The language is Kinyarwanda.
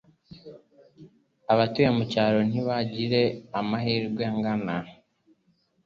Abatuye mucyaro ntibagire amahirwe angana,